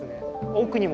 奥にも。